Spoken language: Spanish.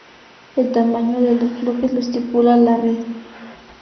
El tamaño de los bloques lo estipula la red.